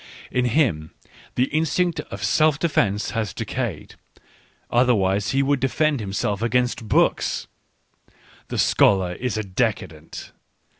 ... In him the instinct of self defence has decayed, otherwise he would defend himself against books. The scholar is a decadent.